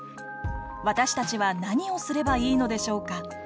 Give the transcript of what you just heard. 私たちは何をすればいいのでしょうか。